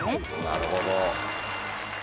なるほど。